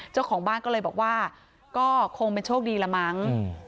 เจ้าของบ้านก็เลยบอกว่าก็คงเป็นโชคดีละมั้ง